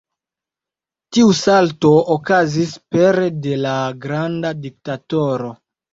Tiu salto okazis pere de "La granda diktatoro".